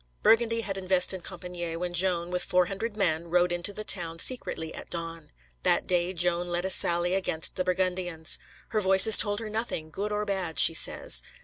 Burgundy had invested Compičgne, when Joan, with four hundred men, rode into the town secretly at dawn. That day Joan led a sally against the Burgundians. Her Voices told her nothing, good or bad, she says.